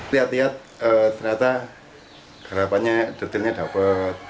lihat lihat ternyata harapannya detailnya dapat